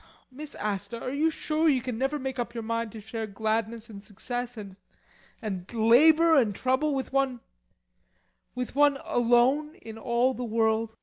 Miss Asta are you sure you can never make up your mind to share gladness and success and and labour and trouble, with one with one alone in all the world?